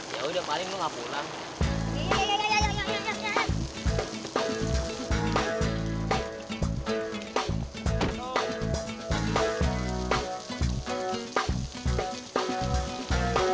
ya udah kemarin lo gak pulang